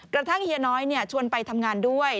กระทั่งเฮียน้อยชวนไปทำงานด้วย